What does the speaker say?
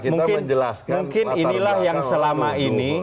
mungkin inilah yang selama ini